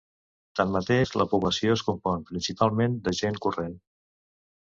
Tanmateix, la població es compon principalment de gent corrent.